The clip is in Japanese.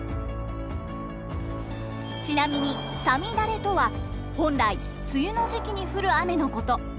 ちなみに五月雨とは本来梅雨の時期に降る雨のこと。